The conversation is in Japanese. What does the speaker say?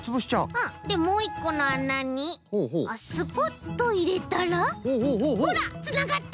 うんでもういっこのあなにスポッといれたらほらつながった！